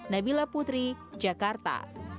nabila putri jakarta